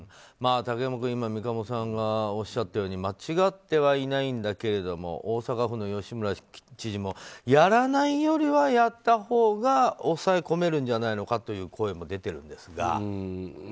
竹山君、今、三鴨さんがおっしゃったように間違ってはいないんだけども大阪府の吉村知事もやらないよりはやったほうが抑え込めるんじゃないのかという声も出てるんですが。